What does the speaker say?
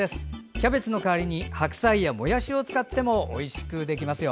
キャベツの代わりに白菜やもやしを使ってもおいしくできますよ。